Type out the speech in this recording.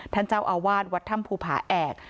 ท่านเจ้าอาวาสวัดถ้ำภูผาแอก